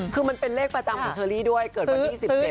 คือมันเป็นเลขประจำของเชอรี่ด้วยเกิดวันนี้๑๗สิทธิ์กายน้อย